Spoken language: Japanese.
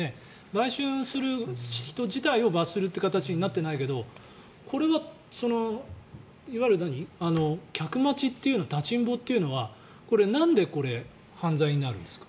売春する人自体を罰する形になっていないけどこれはいわゆる客待ちというの立ちんぼというのはこれ、なんで犯罪になるんですか。